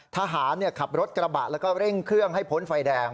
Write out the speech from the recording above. ทหารขับรถกระบะแล้วก็เร่งเครื่องให้พ้นไฟแดง